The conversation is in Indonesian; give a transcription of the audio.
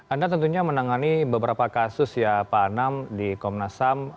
anda tentunya menangani beberapa kasus ya pak anam di komnas ham